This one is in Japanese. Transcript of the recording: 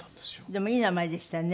でもいい名前でしたね